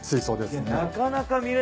いやなかなか見れないよ。